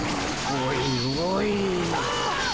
おいおい。